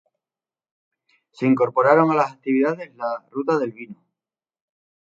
Se incorporaron a las actividades la "Ruta del Vino".